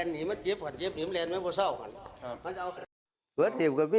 ให้เขาเล่าเองดีกว่าค่ะ